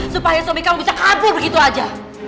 supaya suami kamu bisa kabur begitu aja